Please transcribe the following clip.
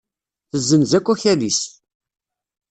Tessenz akk akal-is.